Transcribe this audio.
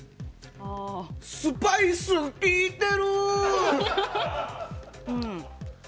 スパイス効いてる！